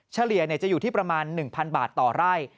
เฉลี่ยจะอยู่ที่ประมาณ๑๐๐บาทต่อไร่